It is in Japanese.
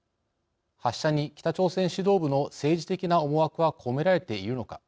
発射に北朝鮮指導部の政治的な思惑は込められているのか。